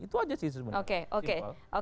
itu aja sih sebenarnya